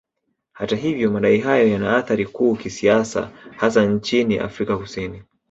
Hata hivyo madai hayo yana athari kuu kisiasa hasa nchini Afrika Kusini